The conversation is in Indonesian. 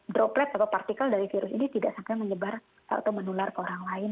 droplet atau partikel dari virus ini tidak sampai menyebar atau menular ke orang lain